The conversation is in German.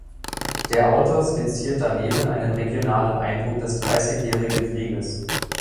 Der Autor skizziert daneben einen regionalen Eindruck des Dreißigjährigen Krieges.